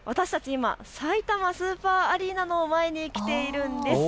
今、さいたまスーパーアリーナの前に来ているんです。